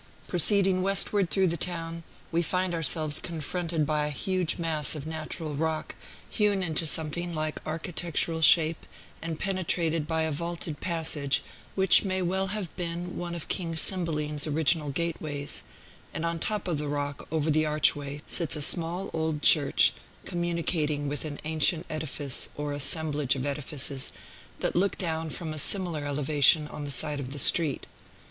Proceeding westward through the town, we find ourselves confronted by a huge mass of natural rock, hewn into something like architectural shape, and penetrated by a vaulted passage, which may well have been one of King Cymbeline's original gateways; and on the top of the rock, over the archway, sits a small old church, communicating with an ancient edifice, or assemblage of edifices, that look down from a similar elevation on the side of the street.